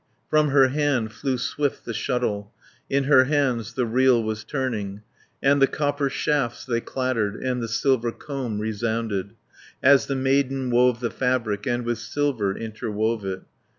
10 From her hand flew swift the shuttle, In her hands the reel was turning, And the copper shafts they clattered, And the silver comb resounded, As the maiden wove the fabric, And with silver interwove it.